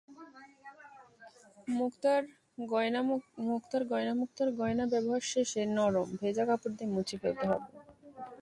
মুক্তার গয়নামুক্তার গয়না ব্যবহার শেষে নরম, ভেজা কাপড় দিয়ে মুছে ফেলতে হবে।